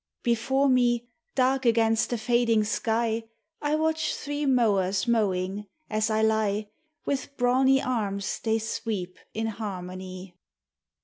Before me, dark against the fading sky, I watch three mowers mowing, as I lie: With brawny arms they sweep in harmony.